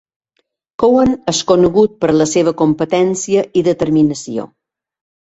Cowan és conegut per la seva competència i determinació.